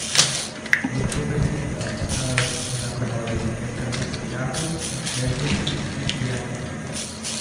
Esto fue generalizado a la coloración de caras de grafos inmersos en el plano.